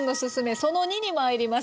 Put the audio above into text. その２にまいります。